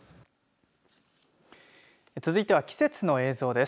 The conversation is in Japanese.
続いては季節の映像です。